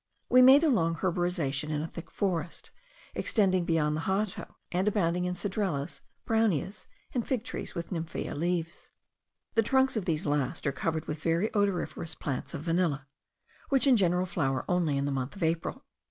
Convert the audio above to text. We made a long herborization in a thick forest, extending beyond the Hato, and abounding in cedrelas, browneas, and fig trees with nymphaea leaves. The trunks of these last are covered with very odoriferous plants of vanilla, which in general flower only in the month of April.